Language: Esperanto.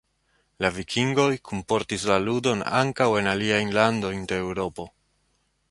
La Vikingoj kunportis la ludon ankaŭ en aliajn landojn de Eŭropo.